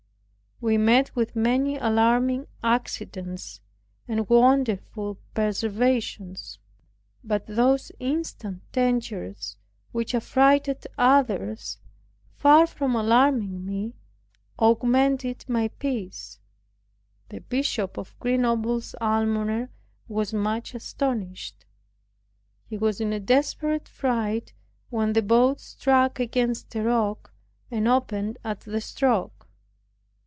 We met with many alarming accidents and wonderful preservations; but those instant dangers, which affrighted others, far from alarming me, augmented my peace. The Bishop of Grenoble's Almoner was much astonished. He was in a desperate fright, when the boat struck against a rock, and opened at the stroke.